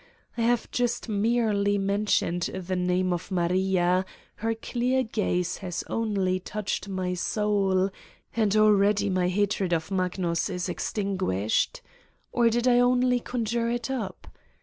I have just merely mentioned the name of Maria, her clear gaze has only touched my soul and already my hatred of Magnus is ex : tinguished (or did I only conjure it up?)